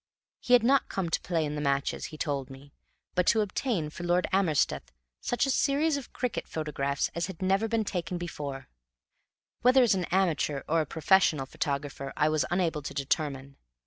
He had not come to play in the matches (he told me), but to obtain for Lord Amersteth such a series of cricket photographs as had never been taken before; whether as an amateur or a professional photographer I was unable to determine.